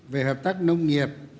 về hợp tác nông nghiệp